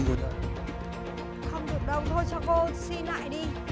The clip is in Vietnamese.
không được đâu thôi cho cô xin lại đi